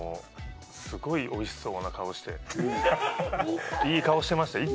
すごい、おいしそうな顔して、いい顔してましたね。